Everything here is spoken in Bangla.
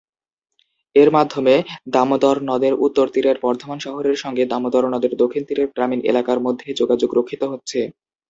এর মাধ্যমে দামোদর নদের উত্তর তীরের বর্ধমান শহরের সঙ্গে দামোদর নদের দক্ষিণ তীরের গ্রামীণ এলাকার মধ্যে যোগাযোগ রক্ষিত হচ্ছে।